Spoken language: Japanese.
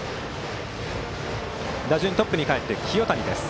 打順はトップにかえって清谷。